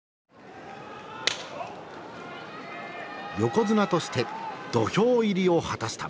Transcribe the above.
横綱として土俵入りを果たした。